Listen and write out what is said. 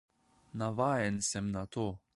Navajen sem na to.